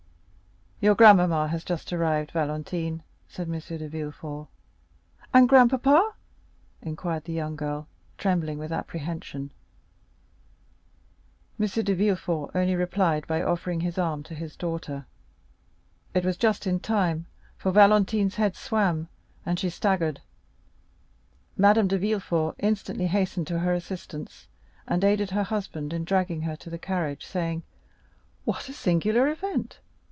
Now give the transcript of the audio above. "Your grandmamma has just arrived, Valentine," said M. de Villefort. "And grandpapa?" inquired the young girl, trembling with apprehension. M. de Villefort only replied by offering his arm to his daughter. It was just in time, for Valentine's head swam, and she staggered; Madame de Villefort instantly hastened to her assistance, and aided her husband in dragging her to the carriage, saying: "What a singular event!